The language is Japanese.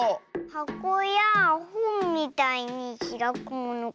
はこやほんみたいにひらくものか。